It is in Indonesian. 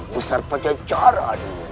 besar pada jalan